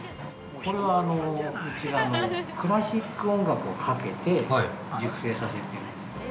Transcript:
◆これは、うちがクラシック音楽をかけて熟成させてるんですよ。